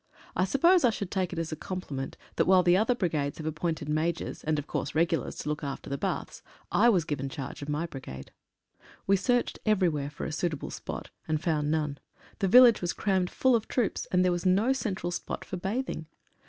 I suppose I should take it as a compliment that while the other brigades have appointed Majors, and, of course, regulars, to look after the baths, I was given charge of my brigade. We searched everywhere for a suitable spot, and found none. The village was crammed full of troops, and there was no central spot for bathing.